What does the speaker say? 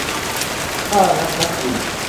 กล้านักมักบิ่น